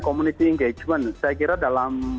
community engagement saya kira dalam